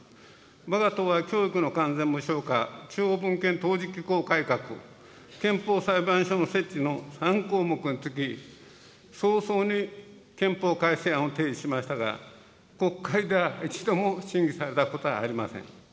わが党は教育の完全無償化、地方分権・統治機構改革、憲法裁判所の設置の３項目につき、早々に憲法改正案を提示しましたが、国会では一度も審議されたことはありません。